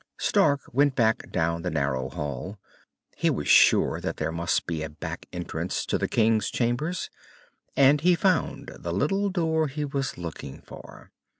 Stark went back down the narrow hall. He was sure that there must be a back entrance to the king's chambers, and he found the little door he was looking for.